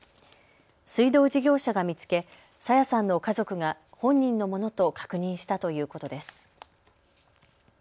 水道事業者が見つけ朝芽さんの家族が本人のものと確認したということです。